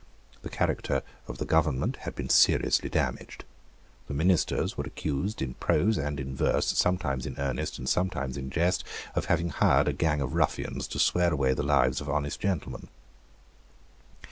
The character of the government had been seriously damaged. The ministers were accused, in prose and in verse, sometimes in earnest and sometimes in jest, of having hired a gang of ruffians to swear away the lives of honest gentlemen.